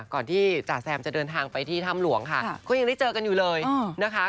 ก่อนที่จ๋าแซมจะเดินทางไปที่ถ้ำหลวงค่ะก็ยังได้เจอกันอยู่เลยนะคะ